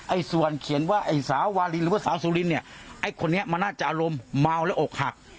ส่วนเขียนว่าไอ้สาววาลินหรือว่าสาวสุรินเนี่ยไอ้คนนี้มันน่าจะอารมณ์เมาและอกหัก